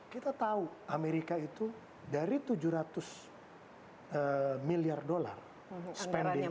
kita tahu amerika itu dari tujuh ratus miliar dolar spending